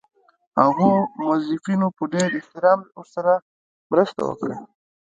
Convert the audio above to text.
هغو موظفینو په ډېر احترام ورسره مرسته وکړه.